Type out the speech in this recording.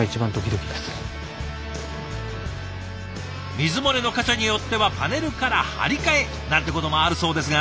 水漏れの箇所によってはパネルから張り替えなんてこともあるそうですが。